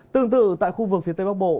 tương tự tại khu vực phía tây bắc bộ